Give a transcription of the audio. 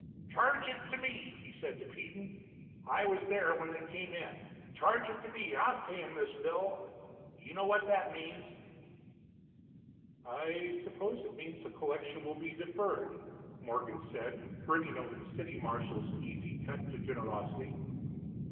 'Charge it to me' he said to Peden I was there when they came in 'charge it to me, I'm payin' this bill.' You know what that means." "I suppose it means that the collection will be deferred," Morgon said, grinning over the city marshal's easy cut to generosity.